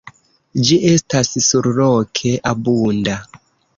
Ĝi estas surloke abunda.